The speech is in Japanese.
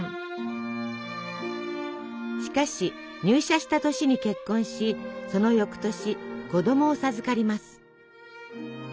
しかし入社した年に結婚しその翌年子どもを授かります。